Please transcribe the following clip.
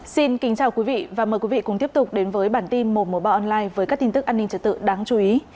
xin kính chào quý vị và mời quý vị cùng tiếp tục đến với bản tin một trăm một mươi ba online với các tin tức an ninh trật tự đáng chú ý